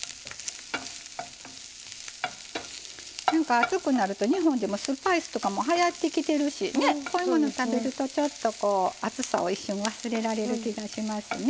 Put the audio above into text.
暑くなると日本でもスパイスとかもはやってきてるしこういうもの食べるとちょっとこう暑さを一瞬忘れられる気がしますね。